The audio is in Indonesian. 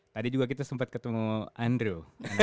tadi juga kita sempat ketemu andrew